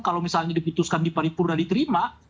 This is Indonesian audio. kalau misalnya dibutuhkan di pari pura diterima